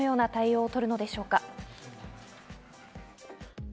どのような対応を取るのでしょうか？